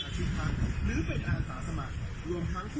อันนี้เขาเรียกว่าวางแนวท่อปับปานะคะ